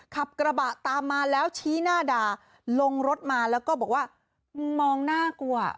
ขับกระบะตามมาแล้วชี้หน้าด่าลงรถมาแล้วก็บอกว่ามึงมองหน้ากูอ่ะ